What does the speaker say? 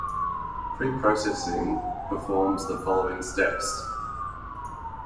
Preprocessing performs the following steps.